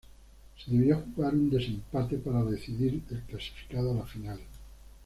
Se debió jugar un desempate para decidir el clasificado a la final.